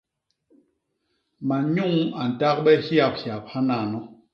Manyuñ a ntagbe hyaphyap hanano.